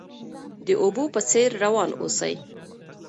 د اوبو په څیر روان اوسئ.